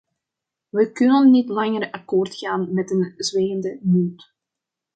Wij kunnen niet langer akkoord gaan met een zwijgende munt.